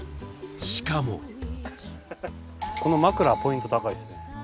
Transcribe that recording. しかもこの枕はポイント高いですね